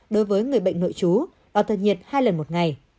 đối với người bệnh nội chú đo thân nhiệt hai lần một ngày